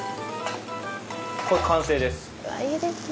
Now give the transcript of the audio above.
これ完成です。